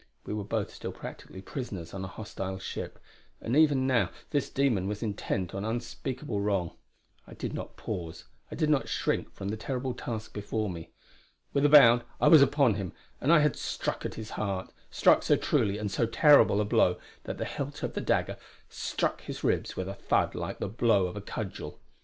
We were both still practically prisoners on a hostile ship, and even now this demon was intent on unspeakable wrong. I did not pause; I did not shrink from the terrible task before me. With a bound I was upon him, and I had struck at his heart; struck so truly and so terrible a blow, that the hilt of the dagger struck his ribs with a thud like the blow of a cudgel.